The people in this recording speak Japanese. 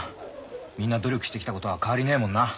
みんな努力してきたことは変わりねえもんな。